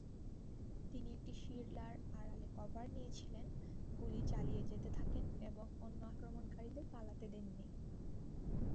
তিনি একটি শিলার আড়ালে কভার নিয়েছিলেন, গুলি চালিয়ে যেতে থাকেন এবং অন্য আক্রমণকারীদের পালাতে দেননি।